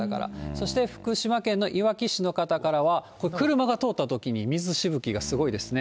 そして福島県のいわき市の方からは、車が通ったときに水しぶきがすごいですね。